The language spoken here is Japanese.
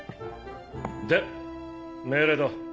で命令だ。